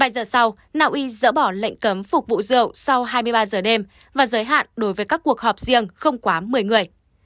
một mươi giờ sau naui dỡ bỏ lệnh cấm phục vụ rượu sau hai mươi ba giờ đêm và giới hạn đối với các cuộc họp riêng không quá một mươi người